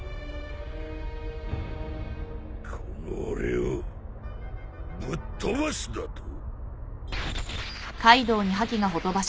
この俺をぶっ飛ばすだと？